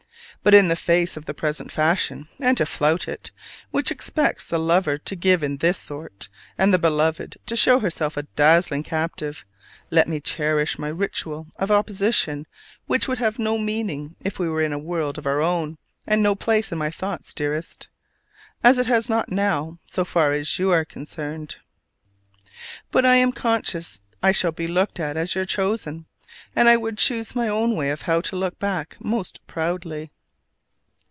But in the face of the present fashion (and to flout it), which expects the lover to give in this sort, and the beloved to show herself a dazzling captive, let me cherish my ritual of opposition which would have no meaning if we were in a world of our own, and no place in my thoughts, dearest; as it has not now, so far as you are concerned. But I am conscious I shall be looked at as your chosen; and I would choose my own way of how to look back most proudly.